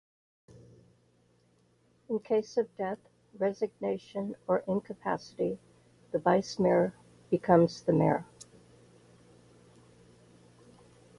In case of death, resignation or incapacity, the vice mayor becomes the mayor.